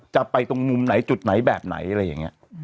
จะไปตรงมุมไหนจุดไหนแบบไหน